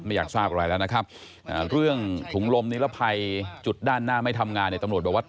อยากทราบอะไรแล้วนะครับเรื่องถุงลมนิรภัยจุดด้านหน้าไม่ทำงานเนี่ยตำรวจบอกว่า